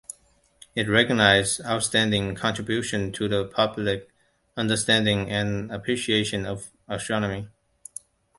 It recognizes outstanding contributions to the public understanding and appreciation of astronomy.